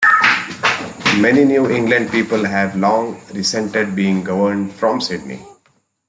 Many New England people have long resented being governed from Sydney.